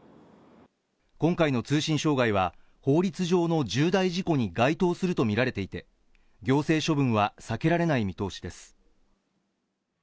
今回の通信障害は、法律上の重大事故に該当するとみられていて、行政処分は避けられない見通しです。